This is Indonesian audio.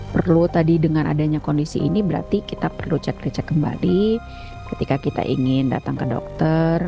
perlu tadi dengan adanya kondisi ini berarti kita perlu cek recek kembali ketika kita ingin datang ke dokter